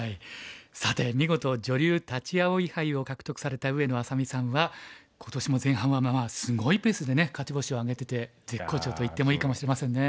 さて見事女流立葵杯を獲得された上野愛咲美さんは今年も前半はすごいペースでね勝ち星を挙げてて絶好調と言ってもいいかもしれませんね。